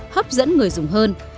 hấp dẫn người dùng hơn